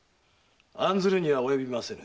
案ずるには及びませぬ。